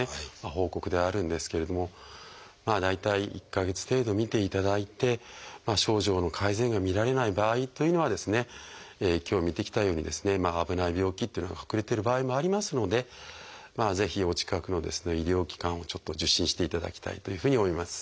報告ではあるんですけれども大体１か月程度見ていただいて症状の改善が見られない場合というのは今日見てきたようにですね危ない病気というのが隠れてる場合もありますのでぜひお近くの医療機関をちょっと受診していただきたいというふうに思います。